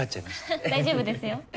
ははっ大丈夫ですよ。